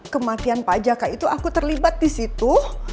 kematian pak jaka itu aku terlibat disitu